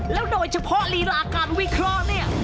แล้วโดยเฉพาะลีลาการวิเคราะห์เนี่ย